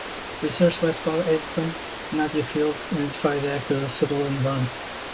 Research by scholar Allyson Nadia Field identified the actors as Suttle and Brown.